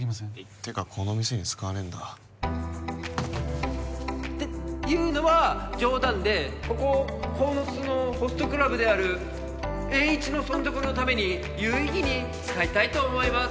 ってかこの店に使わねえんだっていうのは冗談でここ鴻巣のホストクラブであるエーイチの存続のために有意義に使いたいと思います